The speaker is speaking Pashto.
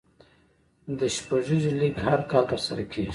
د شپږیزې لیګ هر کال ترسره کیږي.